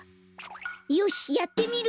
よしっやってみるよ。